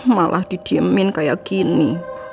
malah didiemin kayak gini